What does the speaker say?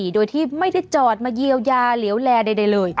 โดยที่ไม่ได้จอดมาเยียวยาเหลวแลใดเลย